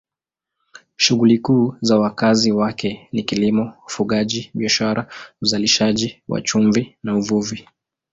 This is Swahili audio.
Shughuli kuu za wakazi wake ni kilimo, ufugaji, biashara, uzalishaji wa chumvi na uvuvi.